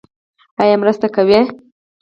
ایا مرسته کوئ؟